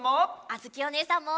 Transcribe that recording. あづきおねえさんも！